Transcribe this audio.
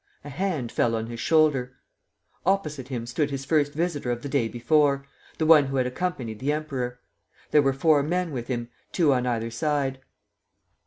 A hand fell on his shoulder. Opposite him stood his first visitor of the day before, the one who had accompanied the Emperor. There were four men with him, two on either side.